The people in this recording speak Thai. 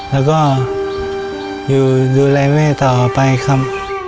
แล้วก็ดูแลแม่ต่อไปครับ